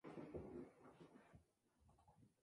Estas plantas no toleran la sequía ni el frío.